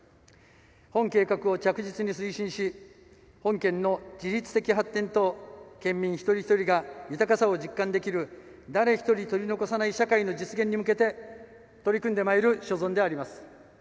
本計画を着実に推進し本県の自立的発展と県民一人一人が豊かさを実感できる「誰一人取り残さない社会」の実現に向けて取り組んでまいる所存であります。